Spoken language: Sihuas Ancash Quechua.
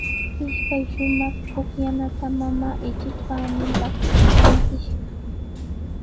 Ishkay shumaq pukllanata mamaa ichik paniipaq rantishqa.